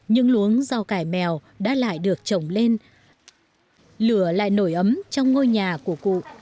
những luống rau cải mèo đã lại được trồng lên lửa lại nổi ấm trong ngôi nhà của cụ